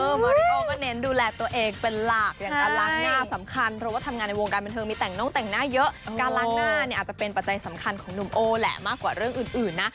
เออมาริโอก็เน้นดูแลตัวเองเป็นหลักอย่างการล้างหน้าสำคัญเพราะว่าทำงานในวงการบรรเทิงมีแต่งน้องแต่งหน้าเยอะ